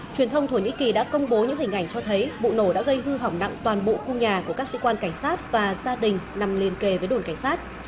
truyền thông thổ nhĩ kỳ đã công bố những hình ảnh cho thấy vụ nổ đã gây hư hỏng nặng toàn bộ khu nhà của các sĩ quan cảnh sát và gia đình nằm liền kề với đồn cảnh sát